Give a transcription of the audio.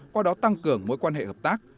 qua đó tăng cường mối quan hệ hợp tác